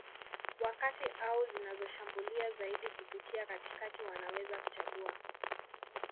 wa kati au zinazoshambulia zaidi kupitia katikati wanaweza kuchagua